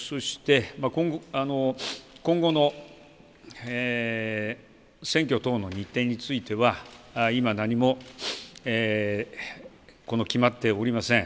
今後の選挙等の日程については今、何も決まっておりません。